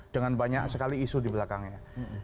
dengan banyak sekali isu di belakangnya